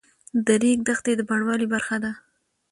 د ریګ دښتې د بڼوالۍ برخه ده.